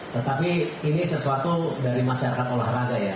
tetapi ini sesuatu dari masyarakat olahraga ya